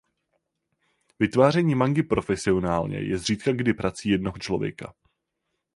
Vytváření mangy profesionálně je zřídkakdy prací jednoho člověka.